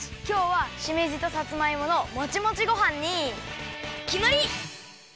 きょうはしめじとさつまいものもちもちごはんにきまり！